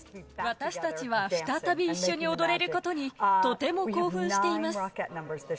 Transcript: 私たちは再び一緒に踊れることに、とても興奮しています。